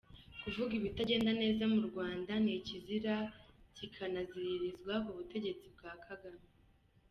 Kuvuga ibitagenda neza mu Rwanda, ni ikizira kikanaziririzwa ku butegetsi bwa Kagame!